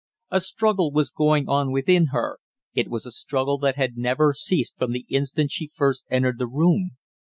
A struggle was going on within her, it was a struggle that had never ceased from the instant she first entered the room.